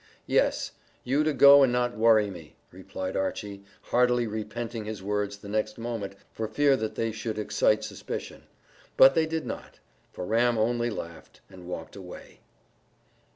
"Yes, you to go and not worry me," replied Archy, heartily repenting his words the next moment for fear that they should excite suspicion. But they did not, for Ram only laughed and walked away.